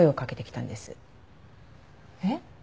えっ？